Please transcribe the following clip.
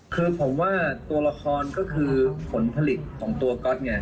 คือผมว่าตัวละครก็คือผลผลิตของตัวก๊อตไง